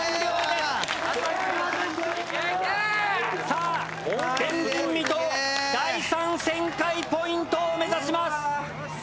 さあ前人未到第３旋回ポイントを目指します。